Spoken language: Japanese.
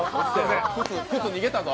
靴、逃げたぞ。